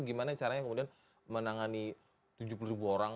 gimana caranya kemudian menangani tujuh puluh ribu orang